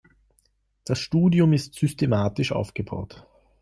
Das Studium ist systematisch aufgebaut.